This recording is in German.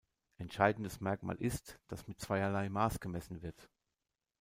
Entscheidendes Merkmal ist, dass „mit zweierlei Maß“ gemessen wird.